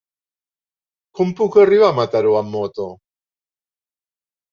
Com puc arribar a Mataró amb moto?